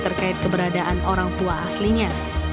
terkait keberadaan orang tua aslinya